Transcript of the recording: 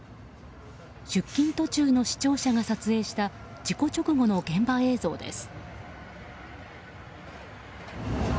出勤途中の視聴者が撮影した事故直後の現場映像です。